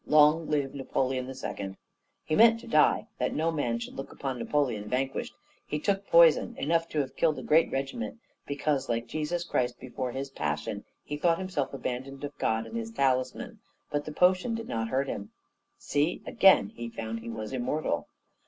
Long live Napoleon II!' He meant to die, that no man should look upon Napoleon vanquished; he took poison, enough to have killed a regiment, because, like Jesus Christ before his Passion, he thought himself abandoned of God and his talisman. But the poison did not hurt him. "See again! he found he was immortal.